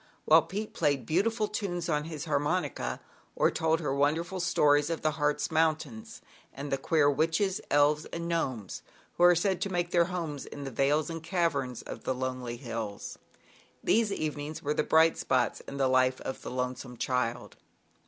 while Pete played beautiful tunes on his harmonica, or told her wonderful stories of the Hartz Mountains, and the queer Witches, Elves and Gnomes, who are said to make their homes in the vales and caverns of the lonely hills. These even ings were the bright spots in the life of the lonesome child.